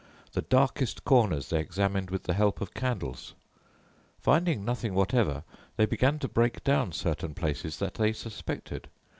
The darkest corners they examined with the help of candles. Finding nothing whatever they began to break down certain places that they suspected.